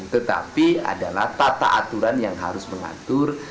tetapi adalah tata aturan yang harus mengatur